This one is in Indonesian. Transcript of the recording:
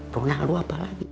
mau nyalu apa lagi